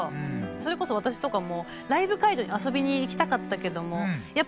それこそ私とかも。